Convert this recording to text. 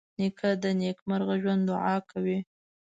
نیکه د نېکمرغه ژوند دعا کوي.